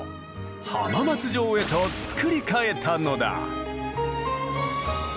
浜松城へと造り替えたのだ。